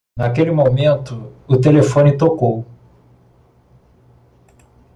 Naquele momento, o telefone tocou.